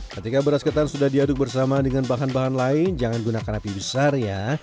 ketika beras ketan sudah diaduk bersama dengan bahan bahan lain jangan gunakan api besar ya